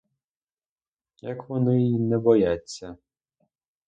Як вони й не бояться?